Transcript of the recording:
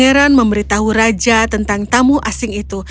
kau akan memberitahu raja tentang tamu asing itu